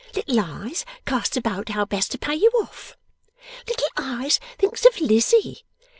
Little Eyes casts about how best to pay you off. Little Eyes thinks of Lizzie.